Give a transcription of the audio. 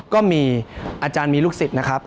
ก็มีอาจารย์มีลูกศิษย์นะครับ